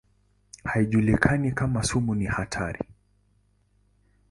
Haijulikani kama sumu ni hatari.